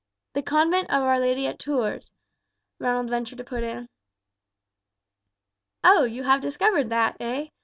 "The convent of Our Lady at Tours," Ronald ventured to put in. "Oh! you have discovered that, eh?"